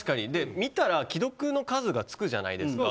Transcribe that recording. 見たら、既読の数がつくじゃないですか。